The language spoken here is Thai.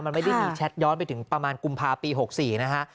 มันไม่ได้มีแชทย้อนไปถึงประมาณกุมภาปี๖๔นะฮะ